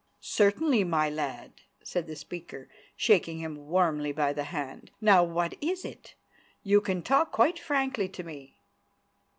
"Certainly, my lad," said the speaker, shaking him warmly by the hand. "Now, what is it? You can talk quite frankly to me."